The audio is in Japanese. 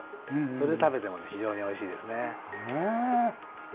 それで食べてもね非常においしいですね。